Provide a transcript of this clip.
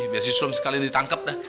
biar si sulam sekali ditangkep dah